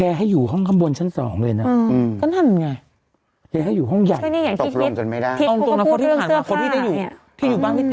แค่ให้อยู่ห้องข้างบนชั้นสองเลยนะก็นั่นไงแค่ให้อยู่ห้องใหญ่